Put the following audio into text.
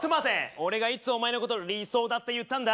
俺がいつお前のこと理想だって言ったんだ？